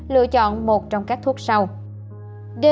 lựa chọn một trong các thuốc sản phẩm